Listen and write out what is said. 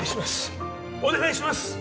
お願いします。